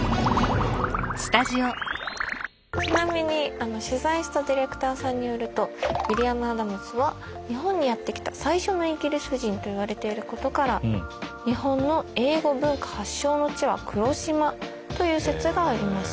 ちなみに取材したディレクターさんによるとウィリアム・アダムスは日本にやって来た最初のイギリス人といわれていることから日本の英語文化発祥の地は黒島という説があります。